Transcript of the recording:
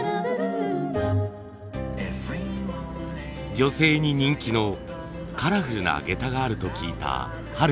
女性に人気のカラフルな下駄があると聞いた春輝さん。